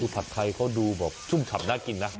ผัดไทยเขาดูแบบชุ่มฉ่ำน่ากินนะ